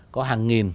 có hàng nghìn